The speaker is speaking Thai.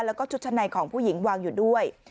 แล้วก็ชุดชั้นในของผู้หญิงวางอยู่ด้วย